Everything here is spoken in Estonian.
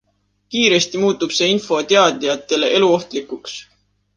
Kiiresti muutub see info teadjatele eluohtlikuks.